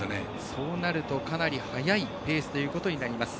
そうなるとかなり早いレースというふうになります。